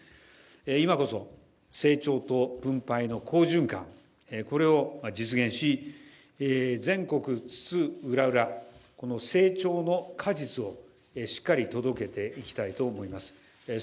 今こそ成長と分配の好循環を実現し全国津々浦々、成長の果実をしっかり届けていきたいと思います。